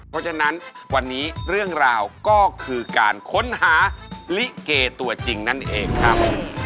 เพราะฉะนั้นวันนี้เรื่องราวก็คือการค้นหาลิเกตัวจริงนั่นเองครับ